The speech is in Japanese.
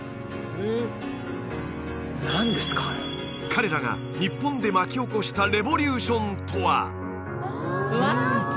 彼らが日本で巻き起こしたレボリューションとは？